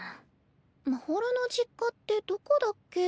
まほろの実家ってどこだっけ？